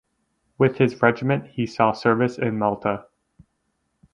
With his regiment he saw service in Malta.